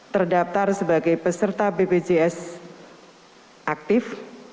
terdaftar sebagai peserta bpjs aktif